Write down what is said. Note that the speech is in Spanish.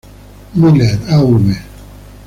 Miller, Av.